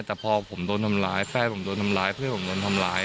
แต่พอผมโดนทำร้ายแฟนผมโดนทำร้ายเพื่อนผมโดนทำร้าย